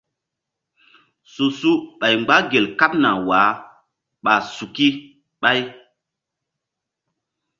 Su-su ɓay mgba gel kaɓna wah ɓa suk ɓay.